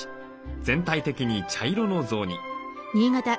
全体的に茶色の雑煮。